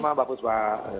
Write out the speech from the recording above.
sama sama mbak fuswa